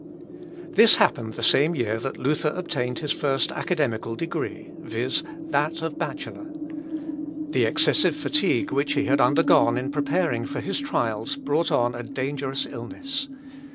This happened the same year that Luther obtained his first academical degree, viz., that of Bachelor. The excessive fatigue which he had undergone in preparing for his trials brought on a dangerous illness.